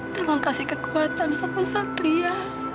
tolong kasih kekuatan satrio satria